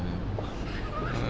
utangmu isek semua ini